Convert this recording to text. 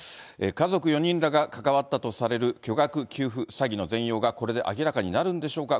家族４人らが関わったとされる巨額給付詐欺の全容がこれで明らかになるんでしょうか。